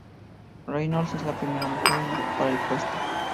Reynolds es la primera mujer en ocupar el puesto.